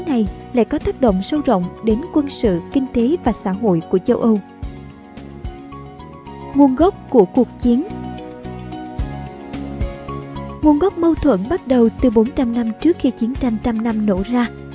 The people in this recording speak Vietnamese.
nguồn gốc của mâu thuẫn bắt đầu từ bốn trăm linh năm trước khi chiến tranh trăm năm nổ ra